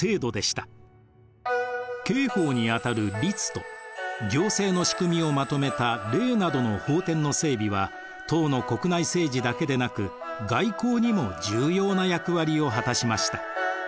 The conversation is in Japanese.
刑法に当たる「律」と行政の仕組みをまとめた「令」などの法典の整備は唐の国内政治だけでなく外交にも重要な役割を果たしました。